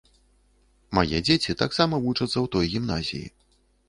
Мае дзеці таксама вучацца ў той гімназіі.